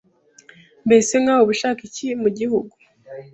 mbese nka we uba ushaka iki mu gihugu,